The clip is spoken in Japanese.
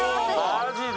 マジで？